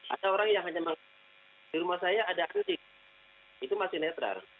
ada orang yang hanya mengatakan di rumah saya ada anjing itu masih netral